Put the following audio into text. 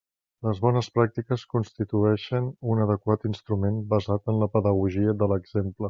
Les «bones pràctiques» constituïxen un adequat instrument basat en la pedagogia de l'exemple.